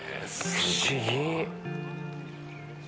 不思議。